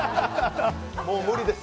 もう無理です。